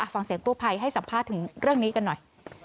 ฟังเสียงกู้ภัยให้สัมภาษณ์ถึงเรื่องนี้กันหน่อย